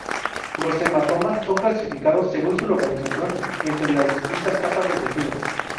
Los hematomas son clasificados según su localización entre las distintas capas de tejido.